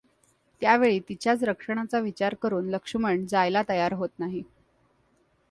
त्यावेळी तिच्याच रक्षणाचा विचार करून लक्ष्मण जायला तयार होत नाही.